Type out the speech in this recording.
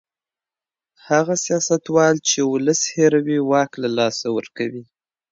هغه سياستوال چي ولس هېروي واک له لاسه ورکوي.